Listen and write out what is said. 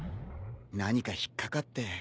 何か引っ掛かって。